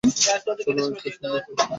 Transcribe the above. চলো একটা সুন্দর রেস্টুরেন্টে যাই।